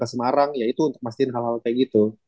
semarang ya itu untuk memastikan hal hal kayak gitu